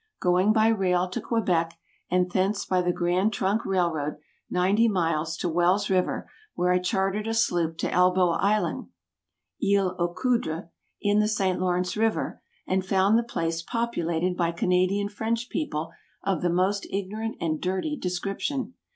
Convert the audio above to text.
Going by rail to Quebec, and thence by the Grand Trunk Railroad, ninety miles, to Wells River, where I chartered a sloop to Elbow Island (Isle au Coudres), in the St. Lawrence River, and found the place populated by Canadian French people of the most ignorant and dirty description.